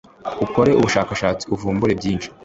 ukore ubushakashatsi uvumbure byinshi